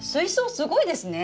すごいですよね。